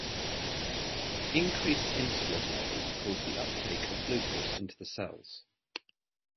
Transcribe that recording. Increased insulin levels cause the uptake of glucose into the cells.